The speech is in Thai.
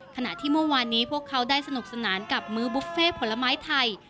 ขณะที่เมื่อวานนี้พวกเขาได้สนุกสนานกับมื้อบุฟเฟ่ผลไม้ไทย